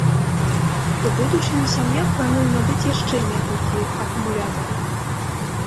У будучыні сям'я плануе набыць яшчэ некалькі акумулятараў.